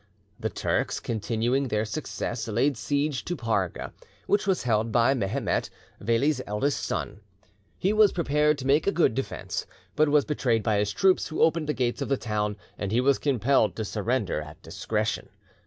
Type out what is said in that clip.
The Turks, continuing their success, laid siege to Parga, which was held by Mehemet, Veli's eldest son. He was prepared to make a good defence, but was betrayed by his troops, who opened the gates of the town, and he was compelled to surrender at discretion.